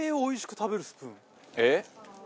えっ？